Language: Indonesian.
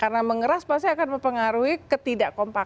karena mengeras pasti akan mempengaruhi ketidak kompaknya